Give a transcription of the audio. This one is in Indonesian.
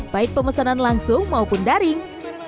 baik pemesanan langsung maupun daring